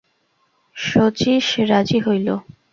শচীশ রাজি হইল।